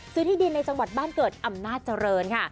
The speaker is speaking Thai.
ที่ดินในจังหวัดบ้านเกิดอำนาจเจริญค่ะ